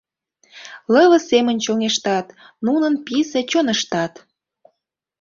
Лыве семын чоҥештат, Нунын писе чоныштат.